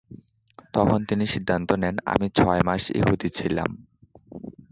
তখন তিনি সিদ্ধান্ত নেন, "আমি ছয় মাস ইহুদি ছিলাম"।